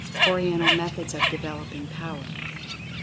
ORIENTAL METHODS OF DEVELOPING POWER.